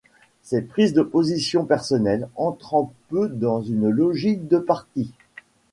Ses prises de position personnelles entrant peu dans une logique de parti.